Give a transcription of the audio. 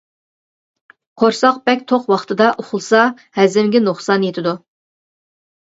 قورساق بەك توق ۋاقتىدا ئۇخلىسا ھەزىمگە نۇقسان يېتىدۇ.